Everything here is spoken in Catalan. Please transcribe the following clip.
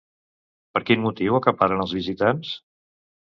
Per quin motiu acaparen els visitants?